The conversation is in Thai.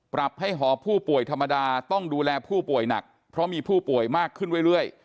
ปรับให้หอผู้ป่วยธรรมดาต้องดูแลผู้ป่วยหนักเพราะมีผู้ป่วยมากขึ้นเรื่อย